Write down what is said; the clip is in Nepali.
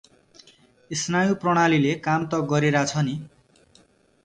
स्नायुप्रणालीले काम त गरिरा छ नि?